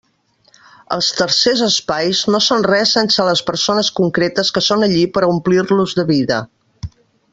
Els tercers espais no són res sense les persones concretes que són allí per a omplir-los de vida.